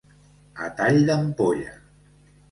A tall d'ampolla.